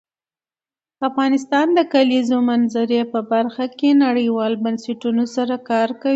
افغانستان د د کلیزو منظره په برخه کې نړیوالو بنسټونو سره کار کوي.